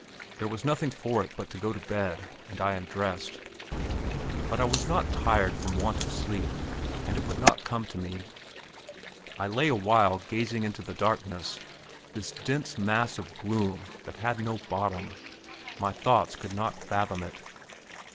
There was nothing for it but to go to bed, and I undressed. But I was not tired from want of sleep, and it would not come to me. I lay a while gazing into the darkness, this dense mass of gloom that had no bottom my thoughts could not fathom it.